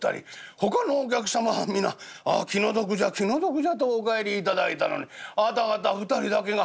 ほかのお客様は皆ああ気の毒じゃ気の毒じゃとお帰り頂いたのにあなた方２人だけが。